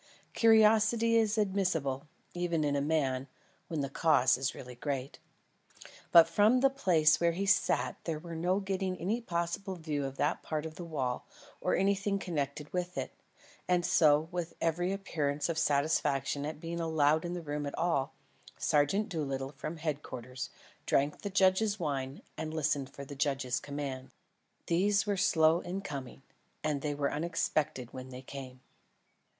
Curiosity is admissible, even in a man, when the cause is really great. But from the place where he sat there was no getting any possible view of that part of the wall or of anything connected with it; and so, with every appearance of satisfaction at being allowed in the room at all, Sergeant Doolittle from Headquarters, drank the judge's wine and listened for the judge's commands. These were slow in coming, and they were unexpected when they came.